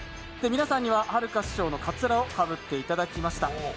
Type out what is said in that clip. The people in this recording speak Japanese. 皆さんには、はるか師匠のかつらをかぶっていただきました。